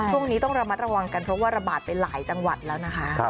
ช่วงนี้ต้องระมัดระวังกันเพราะว่าระบาดไปหลายจังหวัดแล้วนะคะ